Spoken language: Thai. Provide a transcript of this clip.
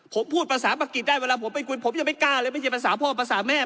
ผมพูดภาษาประกิจได้เวลาผมไปคุยผมยังไม่กล้าเลยไม่ใช่ภาษาพ่อภาษาแม่